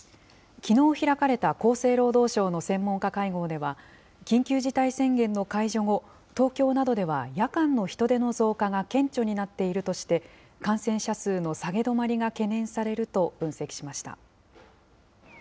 きのう開かれた厚生労働省の専門家会合では、緊急事態宣言の解除後、東京などでは夜間の人出の増加が顕著になっているとして、感染者数の下げ止まりが懸念されると分析しました。